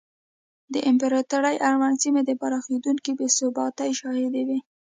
د امپراتورۍ اړونده سیمې د پراخېدونکې بې ثباتۍ شاهدې وې.